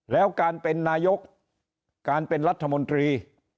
แล้วการเป็นนายกการเป็นรัฐมนตรี